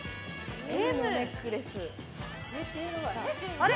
あれ？